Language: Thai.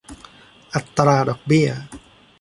อัตราดอกเบี้ย